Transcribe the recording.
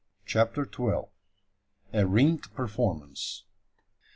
CHAPTER TWELVE. A RING PERFORMANCE.